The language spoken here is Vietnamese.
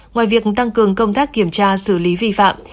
ngoài việc tăng cường công tác kiểm tra xử lý vi phạm